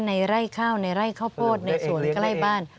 ในไร่ข้าวในไร่ข้าวโพดในสวนใกล้บ้าน